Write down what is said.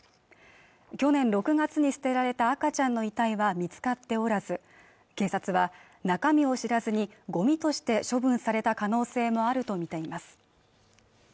去年６月に捨てられた赤ちゃんの遺体は見つかっておらず警察は中身を知らずにゴミとして処分された可能性もあるとみています